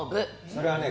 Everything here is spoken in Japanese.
それはね